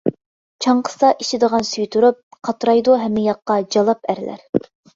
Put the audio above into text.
چاڭقىسا ئىچىدىغان سۈيى تۇرۇپ، قاترايدۇ ھەممە ياققا جالاپ ئەرلەر.